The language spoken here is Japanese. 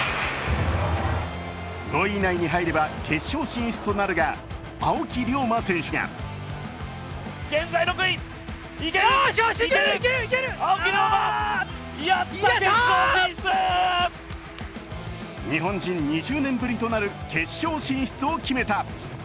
５位以内に入れば決勝進出となるが青木涼真選手が日本人２０年ぶりとなる決勝進出を決めた。